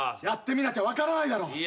やってみなきゃ分からないだろ。